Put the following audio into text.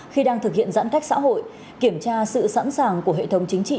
khi đang thực hiện giãn cách xã hội kiểm tra sự sẵn sàng của hệ thống chính trị